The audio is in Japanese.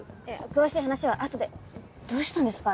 詳しい話は後でどうしたんですか？